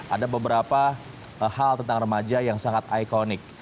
ada beberapa hal tentang remaja yang sangat ikonik